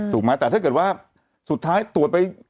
ถูกไหมแต่ถ้าเกิดว่าสุดท้ายตรวจไป